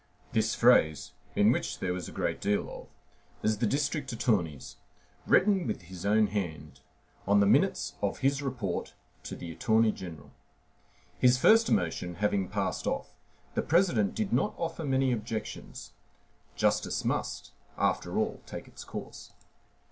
This phrase, in which there was a great deal of of, is the district attorney's, written with his own hand, on the minutes of his report to the attorney general. His first emotion having passed off, the President did not offer many objections. Justice must, after all, take its course.